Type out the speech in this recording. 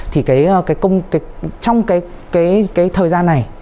thì trong cái thời gian này